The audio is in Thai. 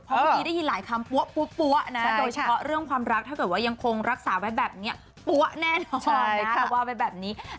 เพราะเมื่อกี้ได้ยินหลายคำปั๊วนะโดยเฉพาะเรื่องความรักถ้าเกิดว่ายังคงรักษาไว้แบบนี้ปั๊วแน่นอนนะคะเขาว่าไว้แบบนี้